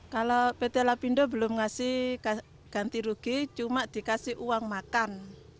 kalau pt lapindo belum ngasih ganti rugi cuma dikasih uang makan